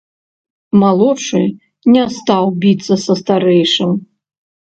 Малодшы не стаў біцца са старэйшым.